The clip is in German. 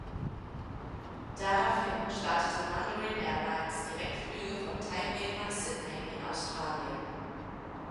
Daraufhin startete Mandarin Airlines Direktflüge von Taipeh nach Sydney in Australien.